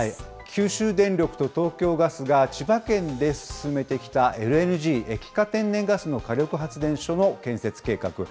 九州電力と東京ガスが、千葉県で進めてきたＬＮＧ・液化天然ガスの火力発電所の建設計画。